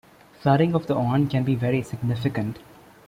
Flooding of the Orne can be very significant.